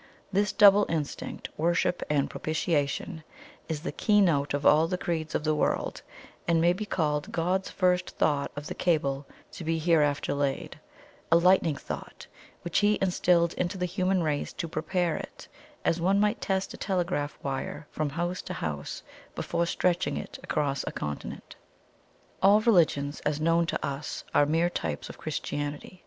This double instinct worship and propitiation is the key note of all the creeds of the world, and may be called God's first thought of the cable to be hereafter laid a lightning thought which He instilled into the human race to prepare it, as one might test a telegraph wire from house to house, before stretching it across a continent. "All religions, as known to us, are mere types of Christianity.